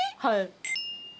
はい。